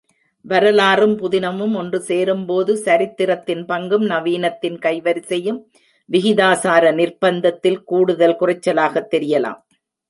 வரலாறும் புதினமும் ஒன்று சேரும்போது, சரித்திரத்தின் பங்கும், நவீனத்தின் கைவரிசையும் விகிதாசார நிர்ப்பந்தந்தில் கூடுதல் குறைச்சலாகத் தெரியலாம்.